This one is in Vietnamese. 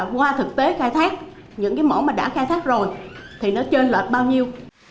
qua thực tế khai thác những mẫu mà đã khai thác rồi thì nó trên lệch bao nhiêu